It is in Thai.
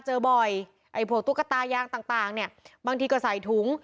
เจอบ่อยไอ้พวกตุ๊กตายางต่างเนี่ยบางทีก็ใส่ถุง